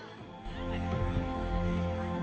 ya kita jangan mandang angkarnya sih